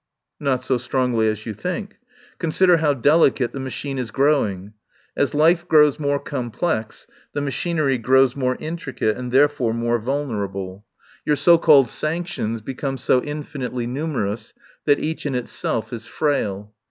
"Not so strongly as you think. Consider how delicate the machine is growing. As life grows more complex, the machinery grows more intricate and therefore more vulnerable. 6 9 THE POWER HOUSE Your so called sanctions become so infinitely numerous that each in itself is frail.